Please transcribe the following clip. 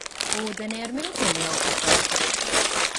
Ūdeni ar miltiem jauks taču.